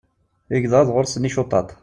Igḍaḍ ɣur-sen icuṭaṭ.